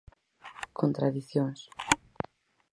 Contradicións.